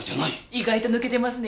意外と抜けてますね